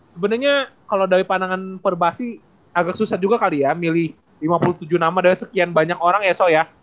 sebenernya kalo dari pandangan perbahasi agak susah juga kali ya milih lima puluh tujuh nama dari sekian banyak orang ya so ya